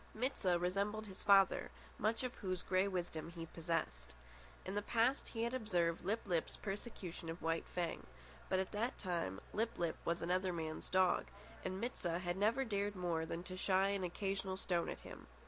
Mit sah resembled his father, much of whose grey wisdom he possessed. In the past he had observed Lip lip's persecution of White Fang; but at that time Lip lip was another man's dog, and Mit sah had never dared more than to shy an occasional stone at him.